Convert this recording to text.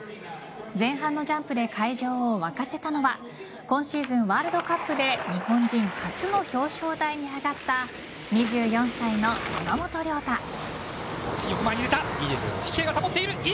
前半のジャンプで会場を沸かせたのは今シーズンワールドカップで日本人初の表彰台に上がった２４歳の山本涼太。